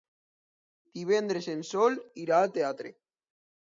Divendres en Sol irà al teatre.